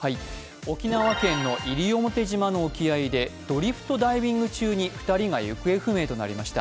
沖縄県の西表島の沖合でドリフトダイビング中に２人が行方不明となりました。